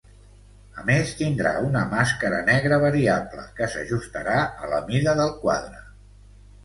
A més, tindrà una màscara negra variable que s'ajustarà a la mida del quadre.